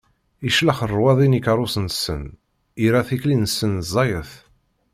Iclex ṛṛwaḍi n ikeṛṛusen-nsen, irra tikli-nsen ẓẓayet.